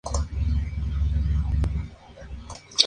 Se celebra durante tres, cinco, siete, diez o diecisiete días al año.